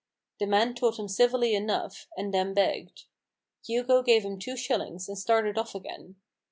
The man told him civilly enough ; and then begged. Hugo gave him two shillings, and started off again.